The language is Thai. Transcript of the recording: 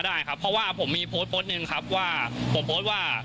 มีการอ้างว่ามีนั้นโพสต์ลักษณะบ่งเยียดที่อู่เขา